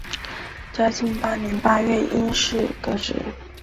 嘉庆八年八月因事革职。